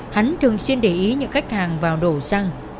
hắn thường xuyên để ý những khách hàng vào đổ xăng